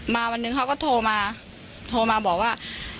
วันหนึ่งเขาก็โทรมาโทรมาบอกว่า